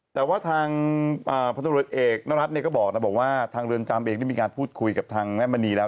แต่ว่าทางพันธุรกิจเอกนรัฐก็บอกนะบอกว่าทางเรือนจำเองได้มีการพูดคุยกับทางแม่มณีแล้ว